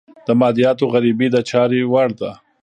د مادیاتو غريبي د چارې وړ ده.